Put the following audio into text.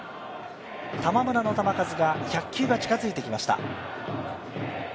玉村の球数が１００球が近づいてきました。